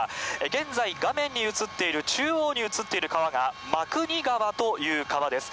現在、画面に映っている、中央に映っている川が、真国川という川です。